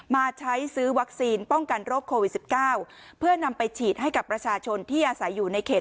มาใช้ซื้อวัคซีนป้องกันโรคโควิด๑๙เพื่อนำไปฉีดให้กับประชาชนที่อาศัยอยู่ในเขต